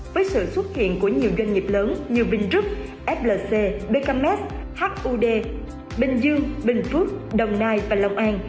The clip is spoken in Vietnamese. với sự xuất hiện của nhiều doanh nghiệp lớn như bình rức flc bkm hud bình dương bình phước đồng nai và lòng an